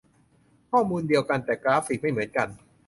ข้อมูลเดียวกัน แค่กราฟิกไม่เหมือนกัน